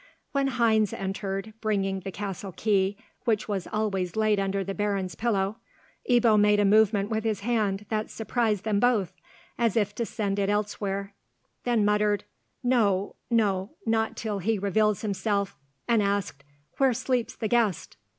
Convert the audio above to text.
When Heinz entered, bringing the castle key, which was always laid under the Baron's pillow, Ebbo made a movement with his hand that surprised them both, as if to send it elsewhere—then muttered, "No, no, not till he reveals himself," and asked, "Where sleeps the guest?"